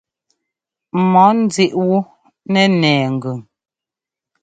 Mɔɔ nzíʼ wú nɛ́ nɛɛ ŋgʉn.